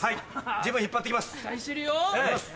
自分引っ張っていきます。